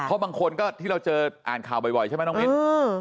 เพราะบางคนก็ที่เราเจออ่านข่าวบ่อยใช่ไหมน้องมิ้น